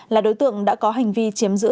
là đối tượng đã có hành vi chiếm giữ